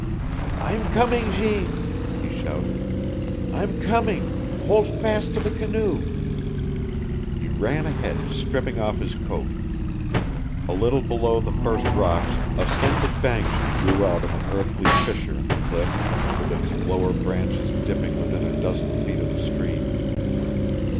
"I'm coming, Jeanne!" he shouted. "I'm coming! Hold fast to the canoe!" He ran ahead, stripping off his coat. A little below the first rocks a stunted banskian grew out of an earthy fissure in the cliff, with its lower branches dipping within a dozen feet of the stream.